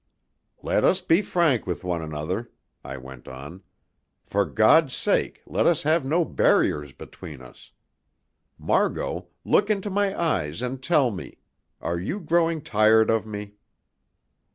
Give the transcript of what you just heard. "Let us be frank with one another," I went on. "For God's sake let us have no barriers between us. Margot, look into my eyes and tell me are you growing tired of me?"